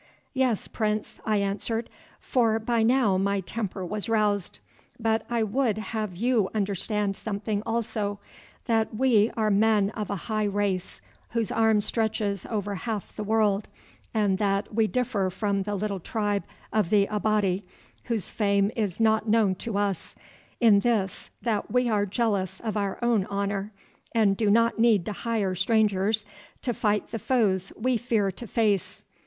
"Yes, Prince," I answered, for by now my temper was roused. "But I would have you understand something also—that we are men of a high race whose arm stretches over half the world, and that we differ from the little tribe of the Abati, whose fame is not known to us, in this—that we are jealous of our own honour, and do not need to hire strangers to fight the foes we fear to face.